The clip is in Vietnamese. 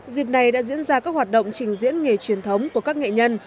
dịp này đã diễn ra các hoạt động trình diễn nghề truyền thống của các nghệ nhân